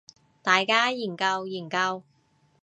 大家研究研究